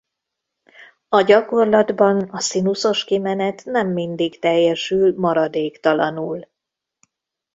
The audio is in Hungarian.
A gyakorlatban a szinuszos kimenet nem mindig teljesül maradéktalanul.